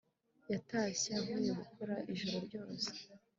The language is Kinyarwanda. yatashye avuye gukora ijoro ryose